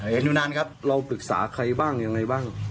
อยู่นานครับเราปรึกษาใครบ้างยังไงบ้าง